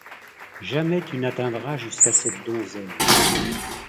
Jamais tu n'atteindras jusqu'à cette donzelle. »-